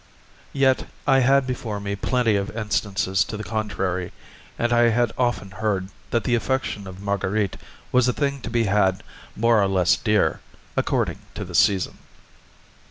Yet, I had before me plenty of instances to the contrary, and I had often heard that the affection of Marguerite was a thing to be had more or less dear, according to the season.